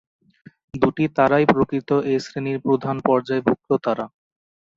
দু’টি তারাই প্রকৃত এ-শ্রেণির প্রধান-পর্যায়ভুক্ত তারা।